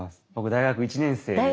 大学１年生。